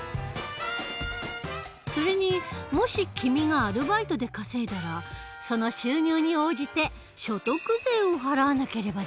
それにもし君がアルバイトで稼いだらその収入に応じて所得税を払わなければならない。